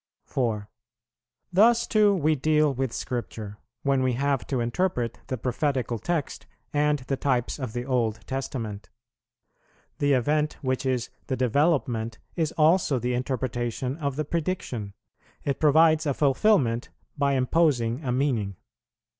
4. Thus too we deal with Scripture, when we have to interpret the prophetical text and the types of the Old Testament. The event which is the development is also the interpretation of the prediction; it provides a fulfilment by imposing a meaning.